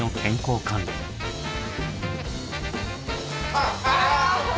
あっ！